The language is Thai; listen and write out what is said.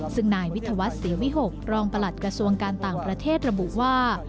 ซึ่งนายวิทยาวัฒน์เสวิหกรองประหลัดกระทรวงการต่างประเทศระบุว่า